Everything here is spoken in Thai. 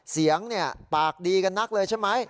เสียงปากดีกันนักเลยใช่ไหม